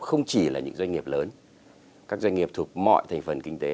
không chỉ là những doanh nghiệp lớn các doanh nghiệp thuộc mọi thành phần kinh tế